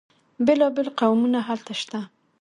بیلا بیل قومونه هلته شته.